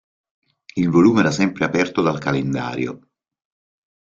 Il volume era sempre aperto dal calendario.